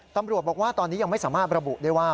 ตำรวจบอกว่าตอนนี้ยังไม่สามารถระบุได้ว่า